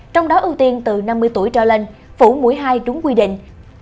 trong đó ưu tiên từ năm mươi tuổi trở lên phủ mũi hai đúng quy định